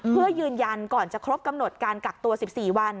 เพื่อยืนยันก่อนจะครบกำหนดการกักตัว๑๔วัน